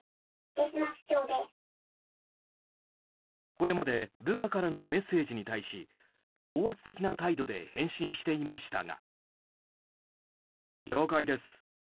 これまで部下からのメッセージに対し高圧的な態度で返信していましたが。